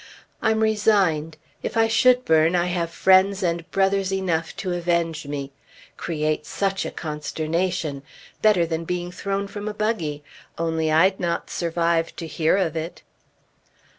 I'm resigned. If I should burn, I have friends and brothers enough to avenge me. Create such a consternation! Better than being thrown from a buggy only I'd not survive to hear of it!